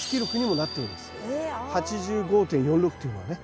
８５．４６というのはね。